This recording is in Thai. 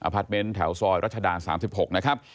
พาร์ทเมนต์แถวซอยรัชดา๓๖นะครับ